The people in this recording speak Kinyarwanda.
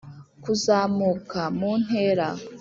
kuzamuka mu ntera